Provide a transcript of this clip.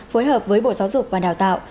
phối hợp với bộ giáo dục và đào tạo